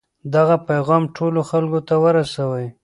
دغه پیغام ټولو خلکو ته ورسوئ.